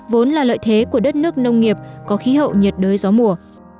vốn là lợi thế của đất nước nông nghiệp có khí hậu nhiệt đới gió mùa